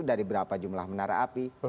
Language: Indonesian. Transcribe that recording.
dari berapa jumlah menara api